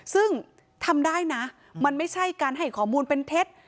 ซึ่งทำได้นะมันไม่ใช่การให้ข้อมูลเป็นเท็จ